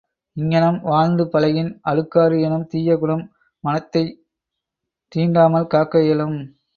இங்ஙனம் வாழ்ந்து பழகின் அழுக்காறு எனும் தீய குணம் மனத்தைத் தீண்டாமல் காக்க இயலும்.